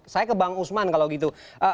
saya ke bang usman kalau gitu